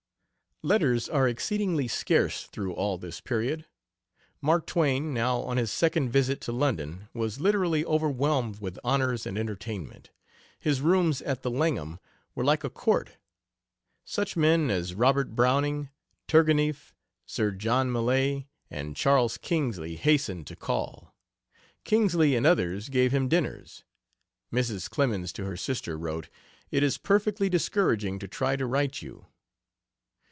Letters are exceedingly scarce through all this period. Mark Twain, now on his second visit to London, was literally overwhelmed with honors and entertainment; his rooms at the Langham were like a court. Such men as Robert Browning, Turgenieff, Sir John Millais, and Charles Kingsley hastened to call. Kingsley and others gave him dinners. Mrs. Clemens to her sister wrote: "It is perfectly discouraging to try to write you."